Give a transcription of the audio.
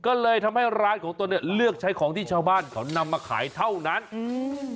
ก็เลยทำให้ร้านของตนเนี้ยเลือกใช้ของที่ชาวบ้านเขานำมาขายเท่านั้นอืม